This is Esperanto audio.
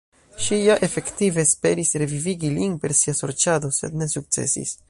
Ŝi ja efektive esperis revivigi lin per sia sorĉado, sed ne sukcesis.